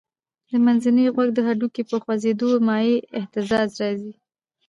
د منځني غوږ د هډوکو په خوځېدو مایع اهتزاز راځي.